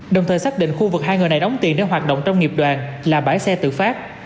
đồng thời xác định khu vực hai người này đóng tiền để hoạt động trong nghiệp đoàn là bãi xe tự phát